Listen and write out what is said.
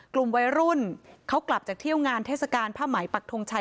กลุ่มวัยรุ่นเขากลับจากเที่ยวงานเทศกาลผ้าไหมปักทงชัย